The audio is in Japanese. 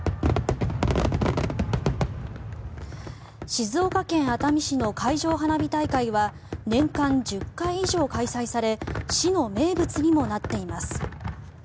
静岡県熱海市の海上花火大会は年間１０回以上開催され市の名物にもなっています。